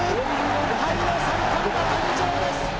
無敗の三冠馬誕生です！